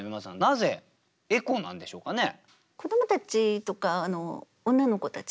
なぜエコなんでしょうかね。